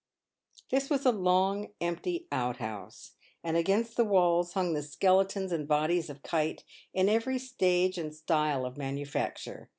This was a long, empty outhouse, and against the walls hung the skeletons and bodies of kites, in every stage and style of manufacture.